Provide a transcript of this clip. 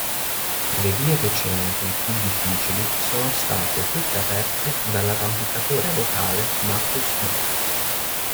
Le vie recenti più difficili sono state tutte aperte dall'arrampicatore locale Markus Bock.